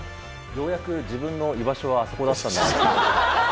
ようやく自分の居場所はあそこだったんだなと。